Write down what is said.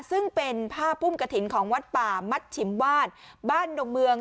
ซึ่งเป็นผ้าพุ่มกระถิ่นของวัดป่ามัดฉิมวาดบ้านดงเมือง